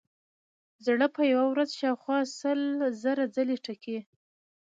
زړه په یوه ورځ شاوخوا سل زره ځلې ټکي.